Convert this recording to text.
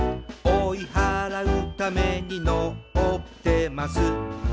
「追い払うためにのってます」